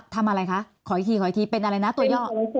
ทำอะไรคะขออีกทีเป็นอะไรนะตัวย่อ